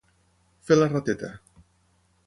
Fer la rateta.